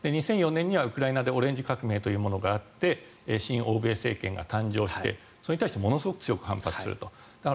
２００４年にはウクライナでオレンジ革命というものがあって親欧米政権が誕生してそれに対してものすごく強く反発すると。